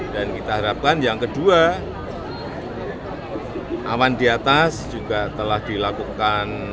dan kita harapkan yang kedua awan di atas juga telah dilakukan